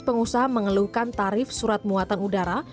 pengusaha mengeluhkan tarif surat muatan udara